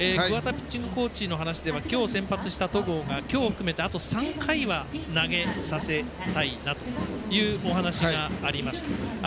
ピッチングコーチの話では今日先発した戸郷が今日含めてあと３回は投げさせたいなというお話がありました。